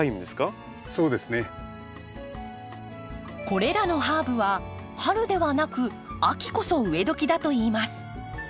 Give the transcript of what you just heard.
これらのハーブは春ではなく秋こそ植えどきだといいます。